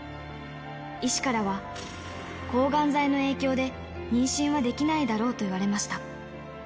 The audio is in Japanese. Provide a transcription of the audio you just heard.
医師からは、抗がん剤の影響で妊娠はできないだろうと言われました。